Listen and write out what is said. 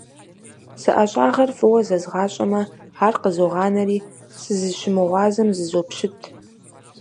Зы ӀэщӀагъэр фӀыуэ зэзгъащӀэмэ, ар къызогъанэри, сызыщымыгъуазэм зызопщыт.